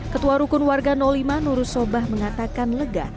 ketua rukun warga lima nurus sobah mengatakan lega